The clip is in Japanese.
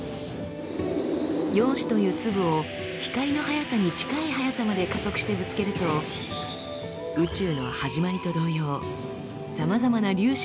「陽子」という粒を光の速さに近い速さまで加速してぶつけると宇宙の始まりと同様さまざまな粒子が生まれます。